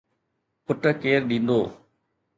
پٽ ڪير ڏيندو؟